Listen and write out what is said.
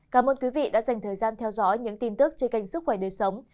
cảm ơn quý vị đã dành thời gian theo dõi những tin tức trên kênh sức khỏe đời sống